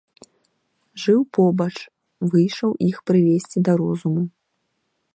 Жыў побач, выйшаў іх прывесці да розуму.